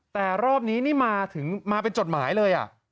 แต่รอบนี้นี่มาถึงมาเป็นจดหมายเลย